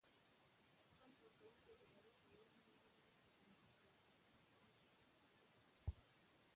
فنډ ورکوونکې ادارې په یو نه یو ډول پر انجوګانو اغیز غورځولای شي.